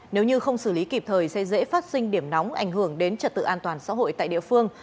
nếu như không xử lý kịp thời sẽ dễ phát sinh điểm nóng ảnh hưởng đến trật tự an toàn xã hội tại địa phương